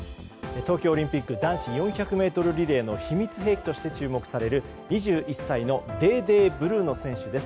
東京オリンピック男子４００ｍリレーの秘密兵器として注目される２１歳のデーデー・ブルーノ選手です。